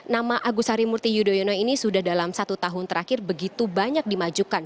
nama agus harimurti yudhoyono ini sudah dalam satu tahun terakhir begitu banyak dimajukan